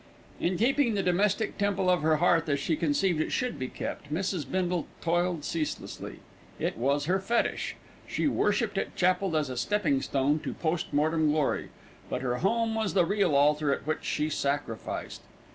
In keeping the domestic temple of her hearth as she conceived it should be kept, Mrs. Bindle toiled ceaselessly. It was her fetish. She worshipped at chapel as a stepping stone to post mortem glory; but her home was the real altar at which she sacrificed.